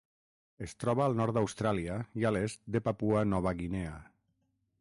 Es troba al nord d'Austràlia i a l'est de Papua Nova Guinea.